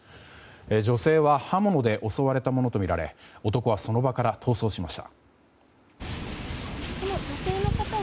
女性は刃物で襲われたものとみられ男は、その場から逃走しました。